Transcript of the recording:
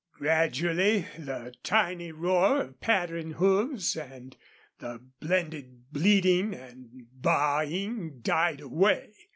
Gradually the tiny roar of pattering hoofs and the blended bleating and baaing died away.